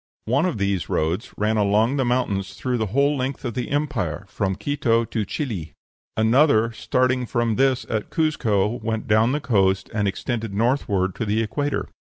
One of these roads ran along the mountains through the whole length of the empire, from Quito to Chili; another, starting from this at Cuzco, went down to the coast, and extended northward to the equator.